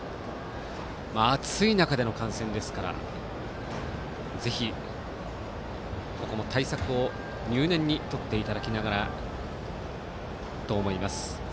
暑い中での観戦ですからぜひ、ここも対策を入念にとっていただきながらと思います。